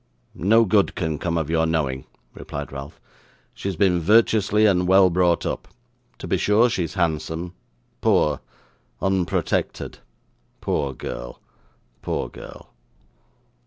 'No good can come of your knowing,' replied Ralph. 'She has been virtuously and well brought up; to be sure she is handsome, poor, unprotected! Poor girl, poor girl.